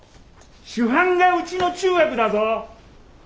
主犯がうちの中学だぞ！